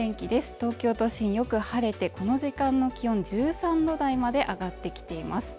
東京都心よく晴れてこの時間の気温１３度台まで上がってきています